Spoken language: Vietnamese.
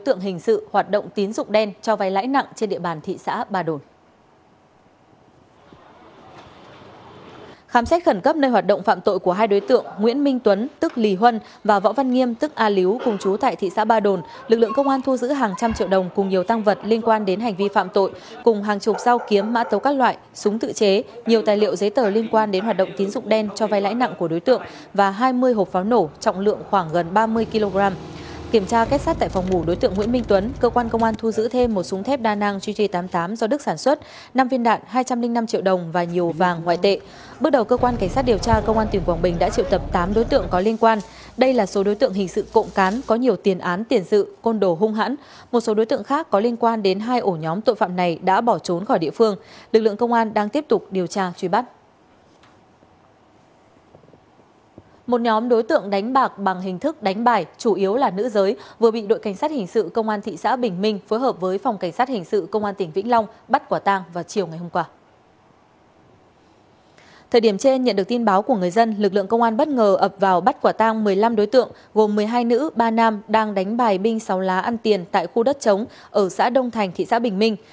thời điểm trên nhận được tin báo của người dân lực lượng công an bất ngờ ập vào bắt quả tang một mươi năm đối tượng gồm một mươi hai nữ ba nam đang đánh bài binh sáu lá ăn tiền tại khu đất chống ở xã đông thành thị xã bình minh